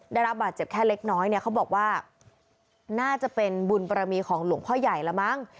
ได้รับบาดเจ็บแค่เล็กน้อยเนี่ยเขาบอกว่าน่าจะเป็นบุญประมีของหลวงพ่อใหญ่ละมั้ง